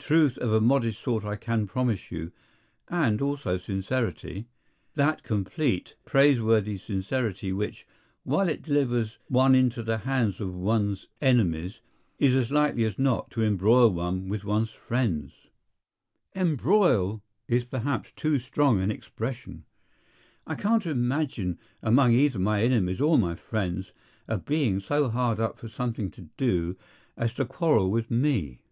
Truth of a modest sort I can promise you, and also sincerity. That complete, praiseworthy sincerity which, while it delivers one into the hands of one's enemies, is as likely as not to embroil one with one's friends. "Embroil" is perhaps too strong an expression. I can't imagine among either my enemies or my friends a being so hard up for something to do as to quarrel with me.